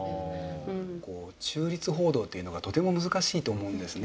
こう中立報道というのがとても難しいと思うんですね。